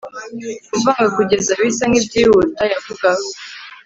kuvanga kugeza bisa nkibyihuta, yavuga